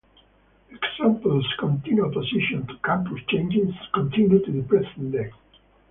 Examples of continued opposition to campus changes continue to the present day.